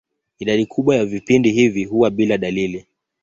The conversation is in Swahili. Idadi kubwa ya vipindi hivi huwa bila dalili.